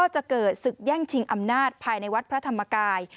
จะเกิดศึกแย่งชิงอำนาจภายในวัดพระธรรมกาย